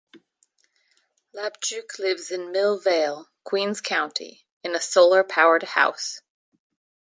Labchuk lives in Millvale, Queens County, in a solar-powered house.